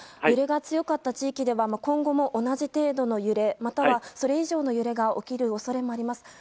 揺れが強かった地域では今後も同じ程度の揺れまたは、それ以上の揺れが起きる恐れもあります。